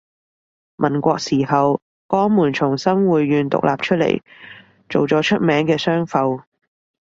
民國時候江門從新會縣獨立出嚟做咗出名嘅商埠